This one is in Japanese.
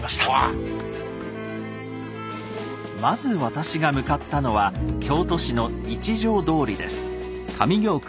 まず私が向かったのは京都市の一条通です。